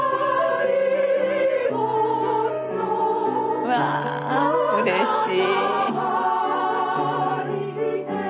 うわうれしい！